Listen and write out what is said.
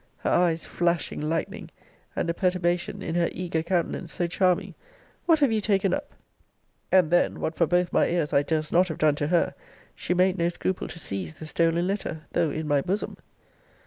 her eyes flashing lightning, and a perturbation in her eager countenance, so charming! What have you taken up? and then, what for both my ears I durst not have done to her, she made no scruple to seize the stolen letter, though in my bosom.